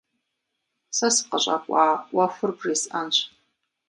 Сэ сыкъыщӏэкӏуа ӏуэхур бжесӏэнщ.